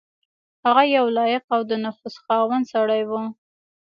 هغه یو لایق او د نفوذ خاوند سړی وو.